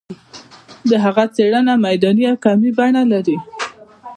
د هغه څېړنه میداني او کمي بڼه لري.